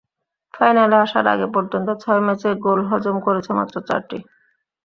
ফাইনালে আসার আগ পর্যন্ত ছয় ম্যাচে গোল হজম করেছে মাত্র চারটি।